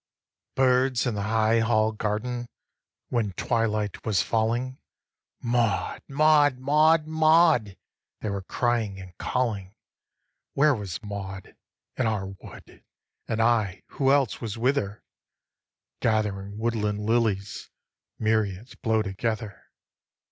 Birds in the high Hall garden When twilight was falling, Maud, Maud, Maud, Maud, They were crying and calling. 2. Where was Maud? in our wood; And I, who else, was with her, Gathering woodland lilies, Myriads blow together.